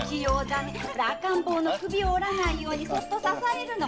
赤ん坊の首を折らないようにそっと支えるの。